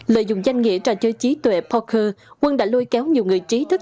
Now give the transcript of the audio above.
lợi dụng danh nghĩa trò chơi trí tuệ poker quân đã lôi kéo nhiều người trí thức